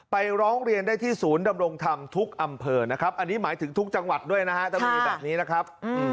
ร้องเรียนได้ที่ศูนย์ดำรงธรรมทุกอำเภอนะครับอันนี้หมายถึงทุกจังหวัดด้วยนะฮะถ้ามีแบบนี้นะครับ